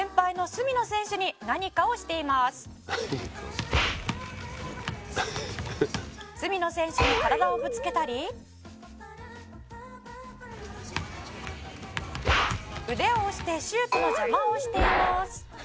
「角野選手に体をぶつけたり」「腕を押してシュートの邪魔をしています」